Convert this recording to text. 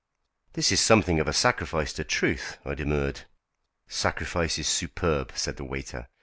"This is something of a sacrifice to truth," I demurred. "Sacrifice is superb!" said the waiter.